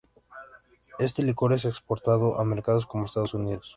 Este licor es exportado a mercados como Estados Unidos.